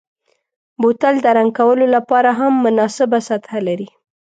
بوتل د رنګ کولو لپاره هم مناسبه سطحه لري.